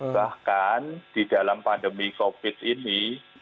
bahkan di dalam pandemi covid ini